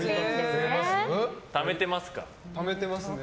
ためてますね。